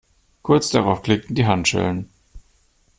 Kurz darauf klickten die Handschellen.